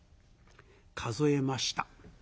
数えました。